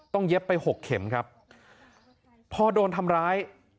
เย็บไปหกเข็มครับพอโดนทำร้าย